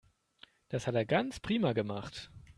Das hat er ganz prima gemacht.